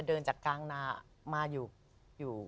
เดินจากกลางนามาอยู่